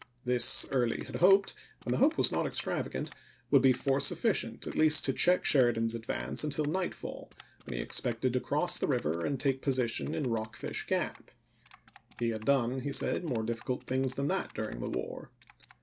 This Early had hoped, and the hope was not ex travagant, would be force sufficient at least to check Sheridan's advance until nightfall, when «]fio&of he expected to cross the river and take position in Yea? of the Rockfish Gap; he had done, he says, " more difficult p 132. 330 ABRAHAM LINCOLN chap. xiv. things than that during the war."